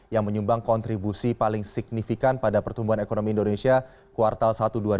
yang menyumbang kontribusi paling signifikan pada pertumbuhan ekonomi indonesia kuartal satu dua ribu dua puluh